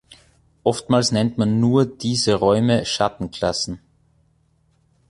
Oftmals nennt man nur diese Räume Schatten-Klassen.